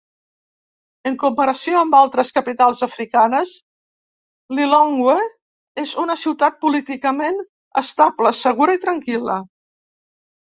En comparació amb altres capitals africanes, Lilongwe és una ciutat políticament estable, segura i tranquil·la.